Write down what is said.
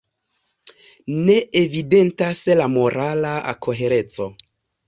Ne evidentas la morala kohereco.